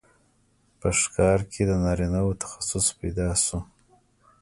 په ښکار کې د نارینه وو تخصص پیدا شو.